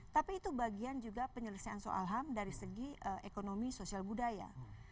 tapi itu bagian juga penyelesaian soal ham dari segi ekonomi sosial budaya